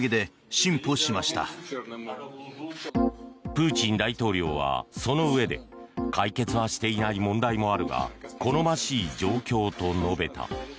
プーチン大統領はそのうえで解決はしていない問題もあるが好ましい状況と述べた。